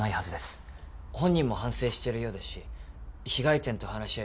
本人も反省してるようですし被害店と話し合い